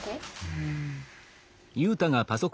うん。